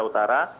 di sumatra utara